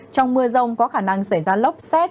trong mưa rông có khả năng xảy ra lốc xét